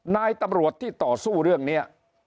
นายตำรวจที่ต่อสู้เรื่องนี้